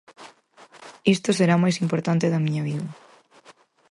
Isto sera o mais importante da miña vida